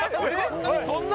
そんな。